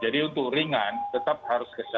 jadi untuk ringan tetap harus keseluruhan